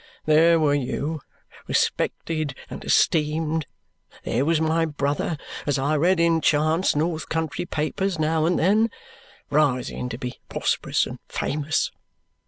There were you, respected and esteemed. There was my brother, as I read in chance North Country papers now and then, rising to be prosperous and famous.